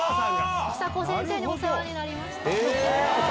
房子先生にお世話になりました。